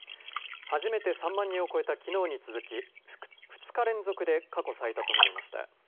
初めて３万人を超えたきのうに続き、２日連続で過去最多となりました。